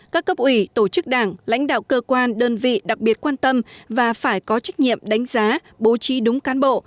các cấp ủy tổ chức đảng lãnh đạo cơ quan đơn vị đặc biệt quan tâm và phải có trách nhiệm đánh giá bố trí đúng cán bộ